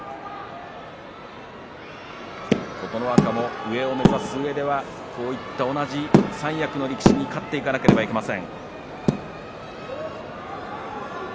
琴ノ若も上を目指すうえではこういった同じ三役の力士に勝っていかなければいけません。